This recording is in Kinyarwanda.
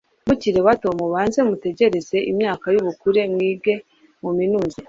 mukiri bato mubanze mutegereze imyaka y ubukure mwige muminuze